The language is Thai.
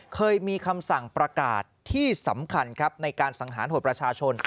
เคยมีคำสั่งประกาศที่สำคัญครับในการสังหารโหดประชาชน